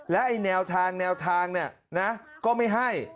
และไอ้แนวทางเนี่ยนะก็ไม่ให้